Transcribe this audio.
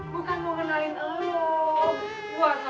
bukan mau kenalin lo